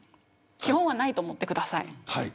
基本はないと思ってください。